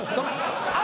あ！